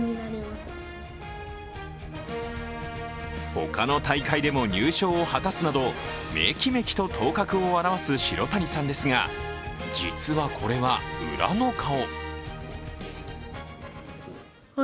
他の大会でも入賞を果たすなどメキメキと頭角をあらわす城谷さんですが実はこれは、裏の顔。